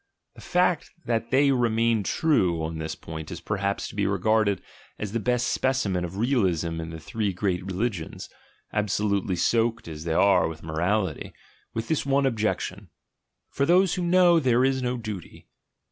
The fact that they remained true on this point is perhaps to be regarded as the best specimen of realism in the three great religions, absolutely soaked as they are with morality, with this one exception. "For those who know, there is no duty."